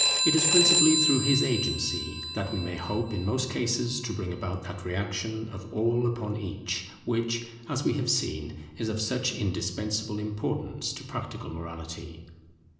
It is principally through his agency that we may hope in most cases to bring about that reaction of All upon Each, which, as we have seen, is of such indispensable importance to practical morality.